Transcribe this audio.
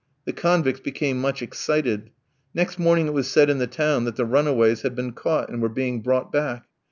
The convicts became much excited. Next morning it was said in the town that the runaways had been caught, and were being brought back.